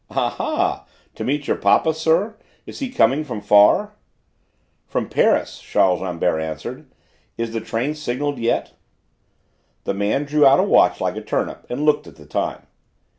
"Ah ha, to meet your papa, sir: is he coming from far?" "From Paris," Charles Rambert answered. "Is the train signalled yet?" The man drew out a watch like a turnip, and looked at the time.